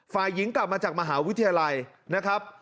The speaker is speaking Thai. ฝ่ายหญิงกลับมาจากมหาวิทยาลัยนะครับ